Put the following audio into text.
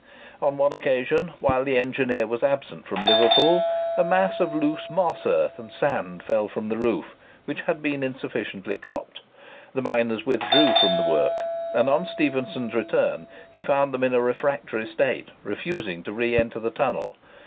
On one occasion, while the engineer was absent from Liverpool, a mass of loose moss earth and sand fell from the roof, which had been insufficiently propped. The miners withdrew from the work; and on Stephenson's return, he found them in a refractory state, refusing to re enter the tunnel.